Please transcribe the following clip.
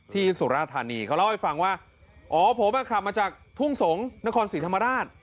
สุราธานีเขาเล่าให้ฟังว่าอ๋อผมอ่ะขับมาจากทุ่งสงศ์นครศรีธรรมราช